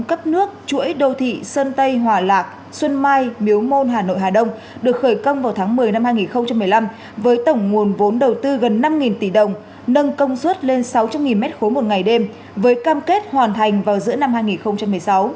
cấp nước chuỗi đô thị sơn tây hòa lạc xuân mai miếu môn hà nội hà đông được khởi công vào tháng một mươi năm hai nghìn một mươi năm với tổng nguồn vốn đầu tư gần năm tỷ đồng nâng công suất lên sáu trăm linh m ba một ngày đêm với cam kết hoàn thành vào giữa năm hai nghìn một mươi sáu